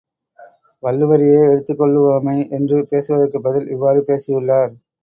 வள்ளுவரையே எடுத்துக் கொள்ளுவோமே என்று பேசுவதற்குப் பதில் இவ்வாறு பேசியுள்ளார்.